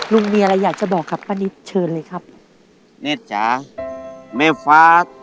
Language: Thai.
ลุงมีอะไรอยากจะบอกกับป้านิตเชิญเลยครับเนธจ๋าแม่ฟ้า